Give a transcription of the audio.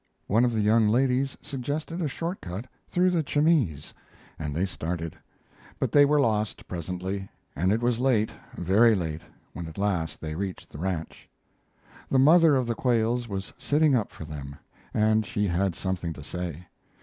One of the young ladies suggested a short cut through the Chemisal, and they started. But they were lost, presently, and it was late, very late, when at last they reached the ranch. The mother of the "Quails" was sitting up for them, and she had something to say.